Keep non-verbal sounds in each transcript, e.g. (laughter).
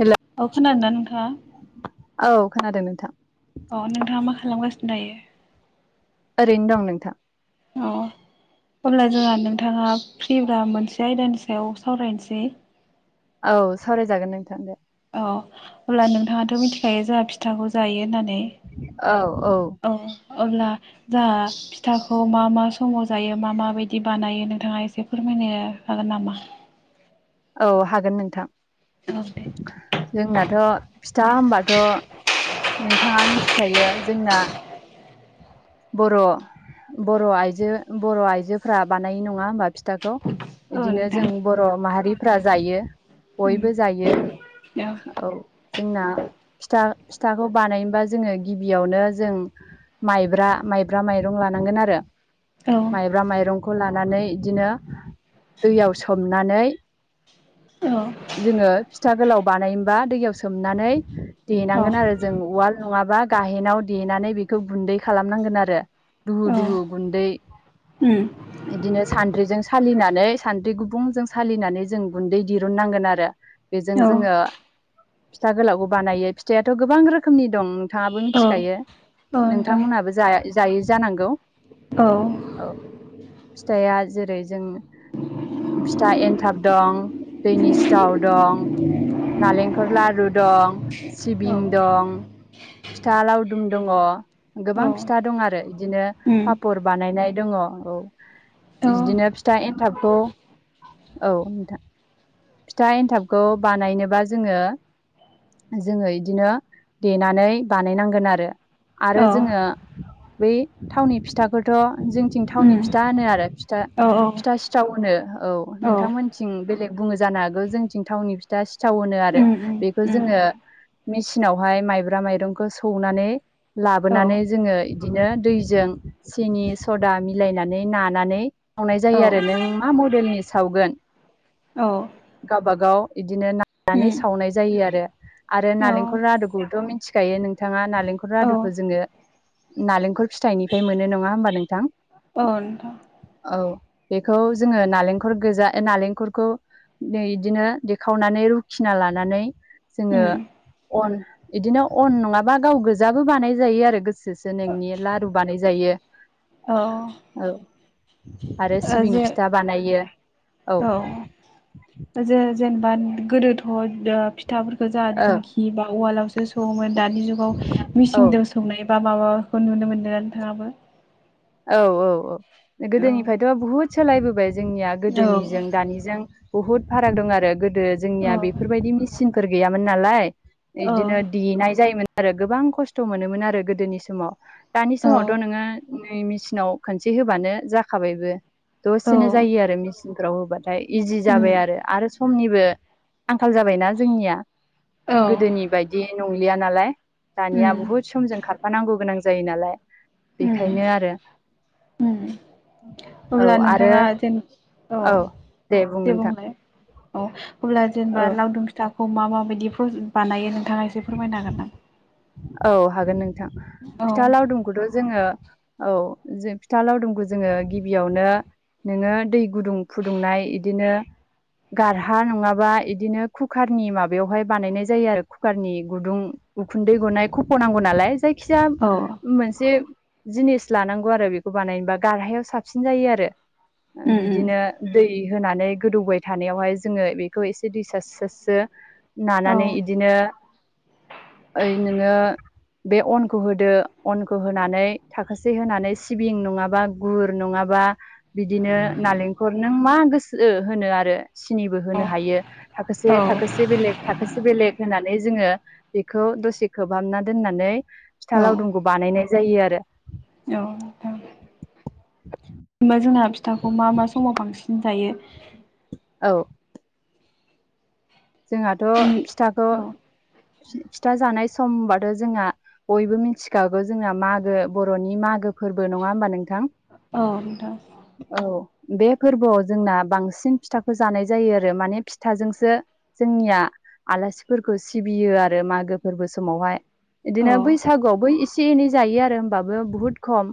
हेल' औ खोनादोंना नोंथाङा औ खोनादों। नोंथां औ नोंथाङा मा खालामगासिनो दायो। ओरैनो दं नोंथां। औ। अब्ला जोंहा नोंथाङा फ्रिब्ला मोनसे आयदानि सायाव सावरायनोसै। औ सावरायजागोन नोंथां। औ अब्ला नोंथाङाथ' मिथिखायो जोंहा फिथाखौ- जायो होननानै औ। अब्ला जाहा फिथाखौ मा मा समाव जायो मा माबायदि बानायो नोंथाङा एसे फोरमाय यनो हागोन नामा? औ हागोन नोंथां औ दे जोंनाथ' फिथा होमबाथ' नोंथाङा मिथिखायो जोंना (inaudible) बर' बर' आइजो बर' आयजोफ्रा बानायो नङा होमबा फिथाखौ? औ बिदिनो नोंथां जों बर' माहारिफ्रा जायो। उम बयबो जायो औ जोंना फिथा फिथाखौ बानायनोबा जोङो गिबियावनो जों माइब्रा माइब्रा माइरं लानांगोन आरो औ औ माइब्रा माइरंखौ लानानै बिदिनो दैयाव सोमनानै जोङो फिथा गोलाव बानायोमबा दैयाव सोमनानै देनांगोन आरो जों उाल नङाबा गाहेनाव देनानै बेखौ गुन्दै खालामनांगोन आरो। दुहु औ दुहु गुन्दै उम। बिदिनो सानद्रिजों सालिनानै सान्द्रि गुबुंजों सालिनानै जों गुन्दै दिरुननांगोन आरो बेजों औ जोङो फिथा गोलावबो बानायो फिथाइाथ' गोबां रोखोमनि दं नोंथाङाबो औ मिथिखायो। नोंथां नोंथांमोनहाबो जा जायो जानांगौ? औ। औ फिथाइया जेरै जों फिथा एन थाब दं दैनि सिथाव दं। नालेंखल लारु दं सिबिं दं। फिथा लावदुम दङ गोबां औ औ फिथा दं आरो बिदिनो उम पापर बानायनाय दङ। औ औ इदिनो फिथा एन्थाबखौ औ नोंथां फिथा एन्थाबखौ बानायनोबा जोङो जोङो इदिनो देनानै बानायनांगोन आरो। आरो औ जोङो बै थावनि फिथाखौथ' जोंथिं थावनि उम फिथा होनो आरो। था औ फिथा सिथाव होनो औ नों औ नोंथांमोनथिं बेलेग बुङो जानो हागौ जोंथिं थावनि फिथा सिथाव होनो आरो उम उम बेखौ उम जोङो मेचिनावहाय माइब्रा माइरंखौ सौनानै औ लाबोनानै जोङो इदिनो दैजों सिनि सदा मिलायनानै नानानै सावनाय औ जायो आरो नों मा मडेलनि सावगोन औ। गावबागाव बिदिनो ननानै सावनाय जायो आरो आरो औ नालेंखल रादुखौथ' मिथि खायो नोंथाङा नालेंखल औ रादुखौ जोङो नालेंखल फिथाइनिफ्राय मोनो नङा होमबा नोंथां? अ नोंथां। औ बेखौ जोङो नालेंखल गोजा नालेंखरखौ इदिनो देखावनानै रुखिना लानानै जोङो उम अन इदिनो अन नङाबा गाव गोजाबो बानायजायो आरो गोसोसो नोंनि लारु बानायजायो। यो। औ। आरो ओ सिबिं जे फिथा बानायो। औ औ जो जेनेबा गोदोथ' ओ फिथाफोरखौ जाहा औ दिंखि बा उवालावसो सौवोमोन दानि जुगाव औ मिसिं दो सौनाय बा माबाखौ नुनो मोनदों नोंथाङाबो। औ-औ-औ औ गोदोनिफ्रायथ' बुहुद सोलायबोबाय जोंनिया गोदोनिजों औ दानिजों बहुद फाराग दं आरो गोदो जोंनिया बेफोरबायदि मेचिनफोर गैयामोन नालाय। औ इदिनो देनाय जायोमोन आरो गोबां खस्थ' मोनोमोन आरो गोदोनि समाव। दानि औ समावथ' नोङो नै मेचिनाव खनसे होबानो जाखाबायबो। दसेनो औ जायो आरो मेचिनफोराव होबाथाय इजि उम जाबाय आरो आरो समनिबो आंखाल जाबायना जोंनिया औ गोदोनि बायदि नंलिया नालाय। दानिया उम बुहुद समजों खारफानांगौ गोनां जायो नालाय बेखायनो आरो। होम। औ अब्ला आरो नोंथाङा जेन औ बुं दे नोंथां बुंलाय। औ अब्ला औ जेनेबा लावदुम फिथाखौ मा माबायदिफ्राव बानायो नों थाङा एसे फोरमायनो हागोन नामा? औ हागोन नोंथां औ फिथा लावदुमखौथ' जोङो औ जों फिथा लावदुमखौ जोङो गिबियावनो नोङो दै गुदुं फुदुंनाय इदिनो गारहा नङाबा बिदिनो खुखारनि माबायावहाय बानायनाय जायो आरो खुखारनि गुदुं उखुन्दै गनाय खफ' नांगौ नालाय जायखिजाया औ मोनसे जिनिस लानांगौ आरो बेखौ बानायनोबा गारहायाव साबसिन जायो आरो उम उम बिदिनो दै होनानै गोदौबाय थानायावहाय जोङो बेखौ एसे दै सारस्रो सारस्रो औ नानानै इदिनो ओइ नोङो बे अनखौ होदो अनखौ होनानै थाखोसे होनानै सिबिं नङाबा गुर नङा बा बिदिनो नालेंखर नों मा गोसो होनो आरो सिनिबो होनो हायो थाखोसे औ थाखोसे बेलेग थाखोसे बेलेग होननानै जोङो बेखौ दसे खोबहाबना दोननानै औ फिथा लावदुमखौ बानायनाय जायो आरो औ नोंथां होनबा जोंना फिथाखौ मा मा समाव बांसिन जायो औ जोंहाथ' उम फिथाखौ औ फिथा जानाय समबाथ' जोंहा बयबो मिथिखागौ जोंना मागो बर'नि मागो फोरबो नङा होमबा नोंथां औ नोंथां औ बे फोरबोआव जोंना बांसिन फिथाखौ जानाय जायो आरो माने फिथाजोंसो जोंनिया आलासिफोरखौ सिबियो आरो मागो फोरबो समावहाय औ बिदिनो बैसागुआवबो एसे- एनै जायो आरो होमबाबो बुहुद खम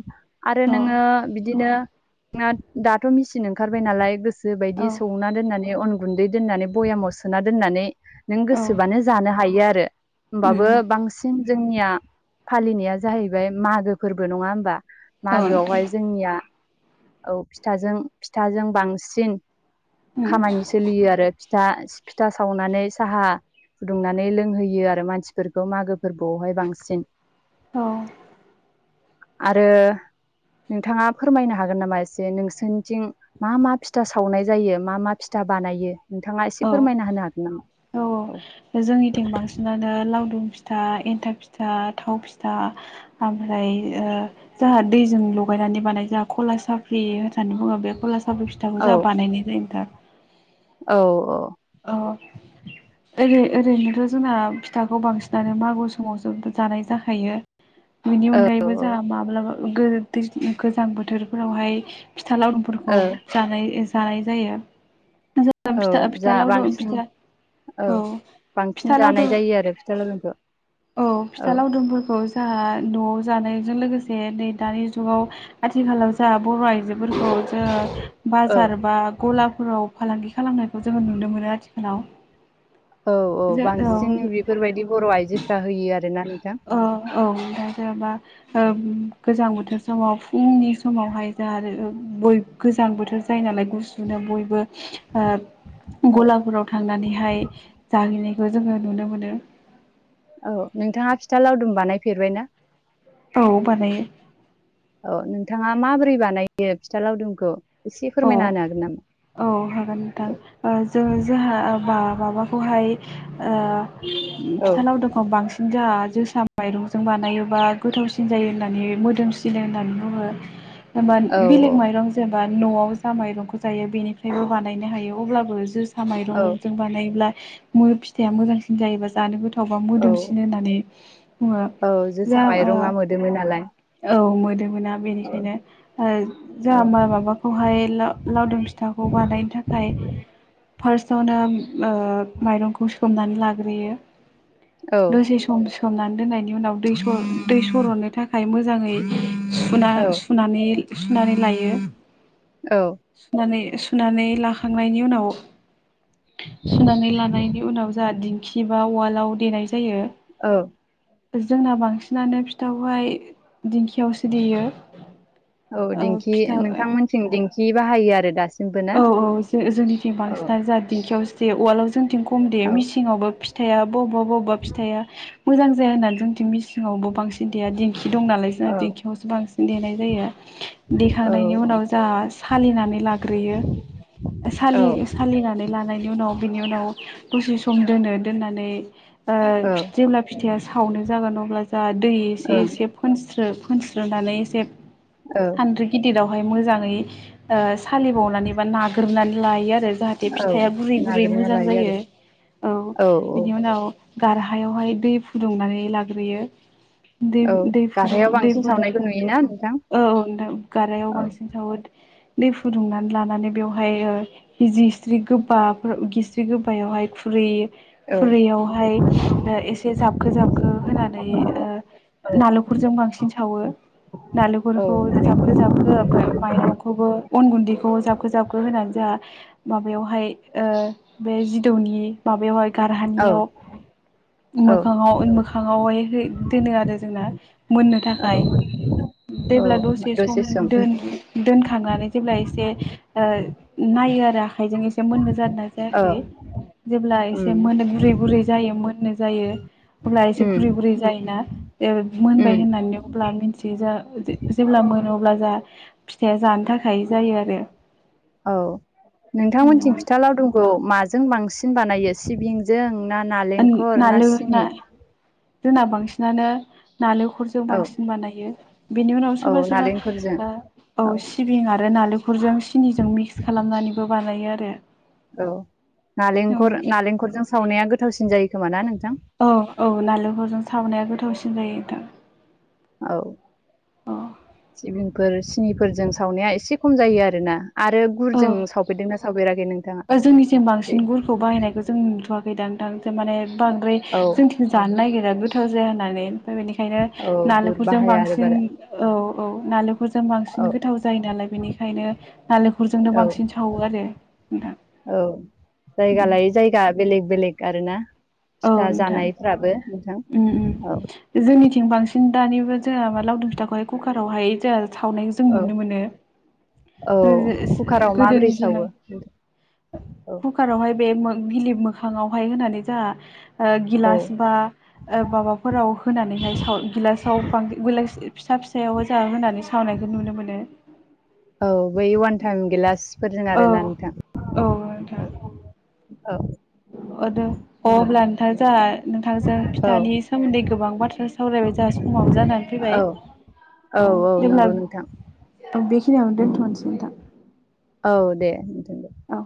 आरो औ नोङो बिदिनो दाथ' मिचिन ओंखारबाय नालाय गोसो बायदि औ सौना दोननानै अन गुन्दै दोननानै बयामाव सोना दोननानै नों औ गोसोबानो जानो हायो आरो उम होमबाबो उम बांसिन जोंनिया फालिनाया जाहैबाय मागो फोरबो नङा होमबा औ नोंथां मागोआवहाय जोंनिया औ फिथाजों फिथाजों बांसिन उम खामानि सोलियो आरो दा फिथा सावनानै साहा फुदुंनानै लोंहोयो आरो मानसिफोरखौ मागो फोरबोआवहाय बांसिन औ आरो नोंथाङा फोरमायनो हागोन नामा एसे नोंसोरनिथिं मा मा फिथा सावनाय जायो मा मा फिथा बानायो नोंथाङा एसे औ फोरमायना होनो हागोन नामा औ औ जोंनिथिं बांसिनानो लावदुम फिथा एन्थाब फिथा थाव फिथा ओमफ्राय ओ जाहा लगायनानै बानाय जाहा खला साफ्रि होननानै बुङो। बे खला साफ्रि फिथाखौ औ जोंहा बानायनाय जायो नोंथां। औ औ। अ ओरै ओरैनोथ' जोङा फिथाखौ बांसिनानो मागु समावसो जानाय जाखायो। बेनि औ अनगायैबो जाहा माब्लाबा गोर दैज गोजां बोथोरफोरावहाय फिथा लावदुमफोरखौ औ जानाय जानाय जायो औ (unintelligible) जा लावदुम बांसिन फिथा औ बांसिन फिथा जानाय लावदुम जायो आरो फिथा लावदुमखौ। औ फिथा लावदुमफोरखौ जाहा न'आव जानायजों लोगोसे नै दानि जुगाव आथिखालाव जा बर' आइजोफोरखौ जोङो औ बाजार बा गलाफोराव फालांगि खालामनायखौ जोङो नुनो मोनो आथिखालाव। औ औ जो बांसिन बेफोरबायदि बर' आइजोफ्रा होयो आरो ना औ औ नोंथां जेन'बा गोजां बोथोर समाव फुंनि समावहाय जा आरो बयब गोजां बोथोर जायो नालाय। गुसुनो बयबो ओ औ गलाफोराव थांनानैहाय जाहैनाय खौ जोङो नुनो मोनो। औ नोंथाङा फिथा लावदुम बानायफेरबाय ना? औ बानायो। औ नोंथाङा माबोरै बानायो फिथा लावदुमखौ एसे फोरमायना औ होनो हागोन नामा? औ हागोन नोंथां। ओ जोङो जोहा (unintelligible) माबाखौहाय ओ औ फिथा लावदुमखौ बांस जाआ जोसा माइरंजों बानायोबा गोथावसिन जायो होननानै मोदोमसिनो होननानै बुङो। एबा औ बेलेग माइरं जेनेबा न'आव जोसा माइरंखौ जायो बेनिफ्रायबो बानायनो हायो अब्लाबो जोसा औ माइरंजों बानायोब्ला मो फिथाइया मोजांसिन जायोबा जानो गोथावबा मोदोमसिन होननानै बुङो औ जोसा माइरङा मोदोमो नालाय (unintelligible) औ (unintelligible) मोना औ बेनिखायनो ओ औ जाहा माबा माबाखौहाय ओ लावदुम फिथाखौ बानायनो थाखाय फार्स्टावनो ओ माइरंखौ सोमनानै लाग्रोयो। औ दसे सम सो सोमनानै दोननायनि उनाव दै सर दै सररनो थाखाय मोजाङै सुना सुनानै सुनानै लायो। औ सुनानै सुनानै लाखांनायनि उनाव सुनानै लानायनि उनाव जाहा दिंखि बा उवालाव देनाय जायो। औ। जोंना बांसिनानो फिथाखौहाय दिंखियावसो देयो। औ ओ दिंखि फिथा नोंथांमोनथिं दिंखि बाहायो आरो दा औ औ जों जोंनिथिं बांसिनानो जाहा दिंखियावसो उवालाव जोंनिथिं खम देयो औ मिसिङावबो फिथाया बबेबा बबेबा फिथाया मोजां जाया होनना जोंनिथिं मिसिङावबो बांसिन देया। दिंखि दं नालाय जोंहा औ दिंखियावसो बांसिन देनाय जायो। औ देखांनायनि उनाव जाहा सालिनानै लाग्रोयो। औ सालि ओं सालिनानै लानायनि उनाव बिनि उनाव दसे सम दोनो दोननानै ओ जेब्ला फिथाइया सावनो जागोन अब्ला जा दै एसे एसे फोनस्रो फोनस स्रोनानै एसे औ सान्द्रि गिदिरावहाय मोजाङै ओ सालिबावनानै बा नाग्रोबनानै लायो आ रो जाहाथे औ फिथाइआ गुरै गुरै नागिरना मोजां लायो जायो आरो औ बिनि उनाव गारहायावहाय दै फुदुंनानै लाग्रोयो। दै ब औ दै फुदु गारहायाव दै बांसिन फुदुं सावनायखौ नुयोना नोंथां औ औ नोंनां गारायाव औ बांसिन सावो दै फुदुंनानै लानानै बेवहाय ओ हिस्रि गोबाफोर गिस्रि गोबायावहाय खुरि औ खुरैयावहाय एसे जाबखो जाबखो होनानै ओ नालेंखरजों बांसिन सावो औ नालेंखलखौ जाबखो नारेंखल जाबखो ओमफाय माइरंखौबो अन गुन्दैखौ जाबखो जाबखो होनानै जोंहा माबायावहाय ओ बे जिदौनि माबायावहाय औ गारहानियाव औ मोखाङाव मोखाङावहाय दोनो आरो जोंना मोननो थाखाय औ औ जेब्ला दसे सम दोन दोनखांनानै जेब्ला एसे ओ नायो आरा (unintelligible) एसे मोननो जादों औ जायाखै जेब्ला उम एसे मोनो गुरै गुरै जायो मोनो जायो अब्ला एसे उम गुरै गुरै जायोना ए मोनबाय उम होननानै अब्ला मिथियो जा जेब्ला मोन अब्ला जा फिथाया जानो थाखाय जायो आरो। औ नोंथांमोनथिं फिथा लावदुमखौ माजों बांसिन बानायो सिबिंजों ना नालेंखर ना सिनि? जोंना बांसिनानो नालेंखलजों औ बांसिन बानायो बिनि उनाव औ सोरबा सोरबा नालेंखरजों ओ औ सिबिं आरो नालेंख गुरजों सिनिजों मिक्स खालामनानैबो बानायो आरो। औ नालेंखर नालेंखरजों सावनाया गोथावसिन जायो खोमाना नोंथां? औ औ नारेंखलजों सावनाया गोथावसिन जायो नोंथां। औ सिबिंफोर सिनिफोरजों सावनाया एसे खम जायो आरोना आरो औ गुरजों सावफेरदोंना सावफेराखै नोंथाङा? औ जोंनिथिं (unintelligible) थां ज माने बांद्राय औ जोंथिं जानो नागिरा गोथाव जाया होननानै बेनिखायनो औ गुर नालेंखरजों बाहाया आरो बांसिन बारा औ औ नालेंखरजों बांसिन औ गोथाव जायो नालाय बेनिखायनो नालेंख औ (inaudible) औ जायगा लायै औ जायगा बेलेग बे बेलेग आरोना फिथा नोंथां जानायफ्राबो नोंथां औ जोंनि थिं बांसिन दानिबो जोंहा मा लावदुम फिथाखौहाय कुकारावहाय जोंहा सावनाय जों औ नुनो मोनो औ कुकाराव (unintelligible) माबोरै गोदोनि सावो दिनाव औ (inaudible) कुकार आावहाय बे बिलिब मोखाङावहाय होनानै जोंहा ओ औ गिलास बा ओ माबाफोराव होनानैहाय साव गि (unintelligible) फिसा फिसायाव जोंहा होननानै सावनायखौ नुनो मोनो औ बै अ'आन टाइम गिलासफोरजों औ आरोना नोंथां औ नोंथां औ अ' दे अब्ला नोंथां जोंहा नोंथांजों औ फिथानि सोमोन्दै गोबां बाथ्रा सावरायबाय जोंहा समाबो जानानै फैबाय औ औ जेब्ला बेखि नियावनो दोनथ'सै नोंथां औ दे नोंथां दे। औ।